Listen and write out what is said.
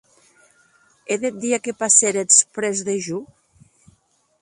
E deth dia que passéretz près de jo?